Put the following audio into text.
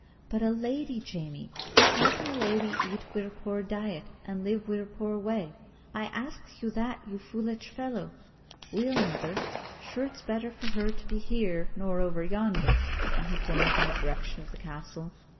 "But a lady, Jamie! How can a lady eat we'er poor diet, and live in we'er poor way? I ax you that, you foolitch fellow?" "Weel, mother, sure it's better for her to be here nor over yonder," and he pointed in the direction of the castle.